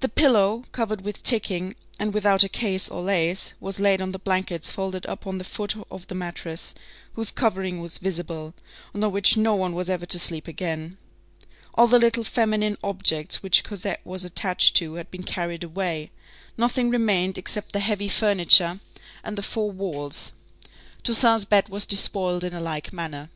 The pillow, covered with ticking, and without a case or lace, was laid on the blankets folded up on the foot of the mattress, whose covering was visible, and on which no one was ever to sleep again. All the little feminine objects which Cosette was attached to had been carried away; nothing remained except the heavy furniture and the four walls. Toussaint's bed was despoiled in like manner.